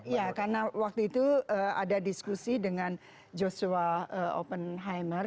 ya karena waktu itu ada diskusi dengan joshua oppenheimer